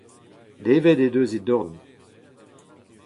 Devet he deus he dorn.